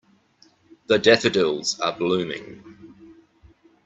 The daffodils are blooming.